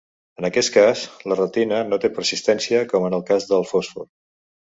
En aquest cas, la retina no té persistència com en el cas del fòsfor.